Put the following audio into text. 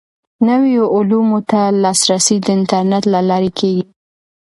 نویو علومو ته لاسرسی د انټرنیټ له لارې کیږي.